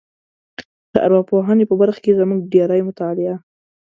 د ارواپوهنې په برخه کې زموږ ډېری مطالعه